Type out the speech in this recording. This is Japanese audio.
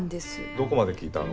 どこまで聞いたの？